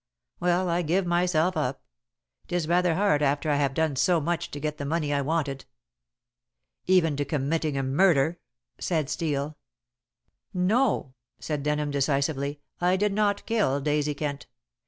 Well, I give myself up. It is rather hard after I have done so much to get the money I wanted." "Even to committing a murder," said Steel. "No," said Denham decisively; "I did not kill Daisy Kent.